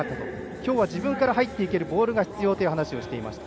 今日は自分から入っていけるボールが必要という話をしていました。